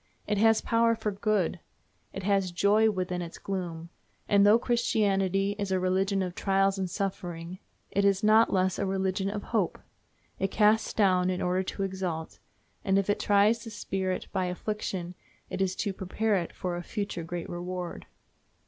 It has power for good; it has joy within its gloom, and, though Christianity is a religion of trials and suffering, it is not less a religion of hope; it casts down in order to exalt, and if it tries the spirit by affliction it is to prepare it for a future great reward.